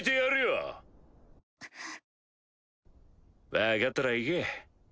分かったら行け。